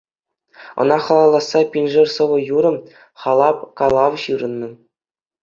Ӑна халалласа пиншер сӑвӑ-юрӑ, халап, калав ҫырӑннӑ.